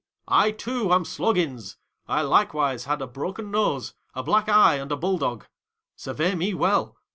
I, too, am Sloggins !! I like wise had a broken nose, a black eye, and a bulldog. Survey me well.